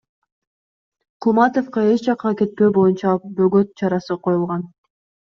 Кулматовго эч жакка кетпөө боюнча бөгөт чарасы коюлган.